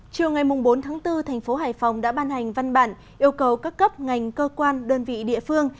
chiều ngày bốn tháng bốn thành phố hải phòng đã ban hành văn bản yêu cầu các cấp ngành cơ quan đơn vị địa phương